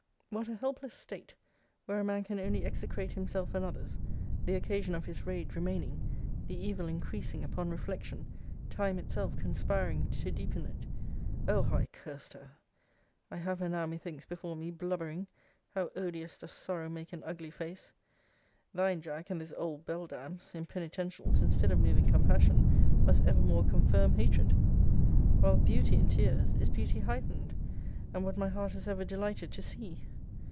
What a helpless state, where a man can only execrate himself and others; the occasion of his rage remaining; the evil increasing upon reflection; time itself conspiring to deepen it! O how I curs'd her! I have her now, methinks, before me, blubbering how odious does sorrow make an ugly face! Thine, Jack, and this old beldam's, in penitentials, instead of moving compassion, must evermore confirm hatred; while beauty in tears, is beauty heightened, and what my heart has ever delighted to see.